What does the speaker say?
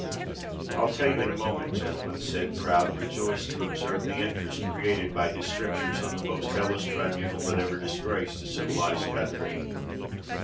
"I'll tell you in a moment, gentlemen," cried Prout, rejoiced to observe the interest created by his strictures on the most hellish tribunal that ever disgraced a civilised country.